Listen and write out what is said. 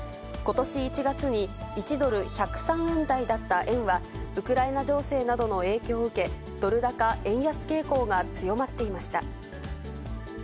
ことし１月に、１ドル１０３円台だった円は、ウクライナ情勢などの影響を受け、ドル高円安傾向が強まっていました。